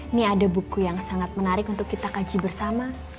ini ada buku yang sangat menarik untuk kita kaji bersama